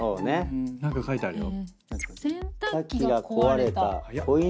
何か書いてあるよ。